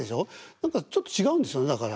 何かちょっと違うんですよねだから。